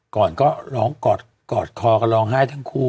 ก่อนก็ร้องกอดคอกันร้องไห้ทั้งคู่